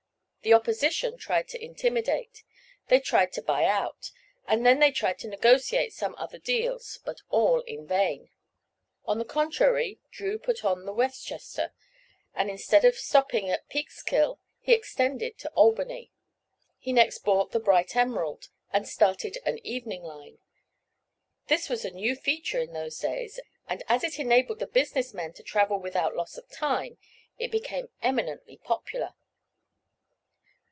The opposition tried to intimidate, they tried to buy out, and then tried to negotiate some other deals, but all in vain. On the contrary Drew put on the "Westchester," and instead of stopping at Peekskill, he extended to Albany. He next bought the "Bright Emerald," and started an evening line. This was a new feature in those days and as it enabled the business men to travel without loss of time, it became eminently popular.